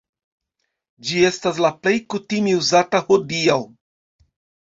Ĝi estas la plej kutime uzata hodiaŭ.